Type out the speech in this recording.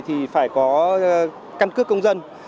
thì phải có căn cước công dân